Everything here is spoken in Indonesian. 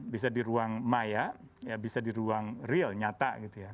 bisa di ruang maya bisa di ruang real nyata